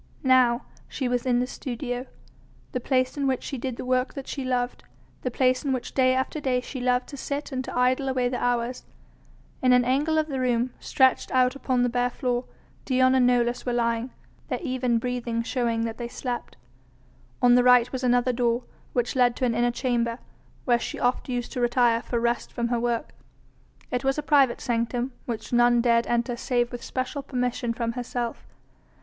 Now she was in the studio. The place in which she did the work that she loved, the place in which day after day she loved to sit and to idle away the hours. In an angle of the room, stretched out upon the bare floor, Dion and Nolus were lying, their even breathing showing that they slept. On the right was another door, which led to an inner chamber, where she oft used to retire for rest from her work. It was a private sanctum which none dared enter save with special permission from herself.